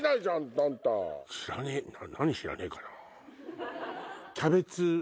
あと何知らねえかな？